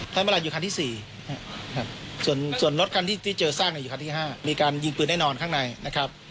ท่านประธานอยู่คันที่๔ส่วนรถคันที่เจอซากอยู่คันที่๕มีการยิงปืนแน่นอนข้างในนะครับ